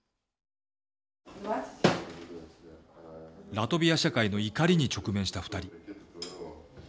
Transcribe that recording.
ラトビア社会の怒りに直面した２人。